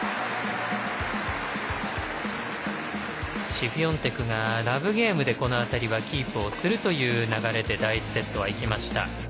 シフィオンテクがラブゲームでキープをする流れで第１セットはいきました。